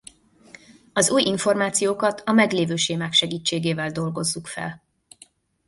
Az új információkat a meglévő sémák segítségével dolgozzuk fel.